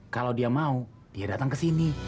kalau dia mau dia datang ke sini